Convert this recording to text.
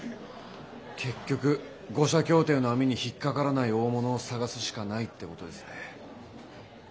結局五社協定の網に引っ掛からない大物を探すしかないってことですね。